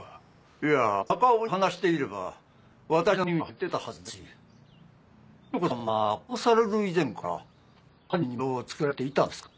いや隆生に話していれば私の耳にも入ってたはずですし優子さんは殺される以前から犯人に目をつけられていたんですか？